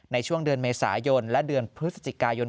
ในช่วงเดือนเมษายนและเดือนพฤศจิกายน